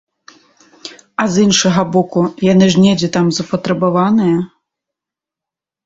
А з іншага боку, яны ж недзе там запатрабаваныя!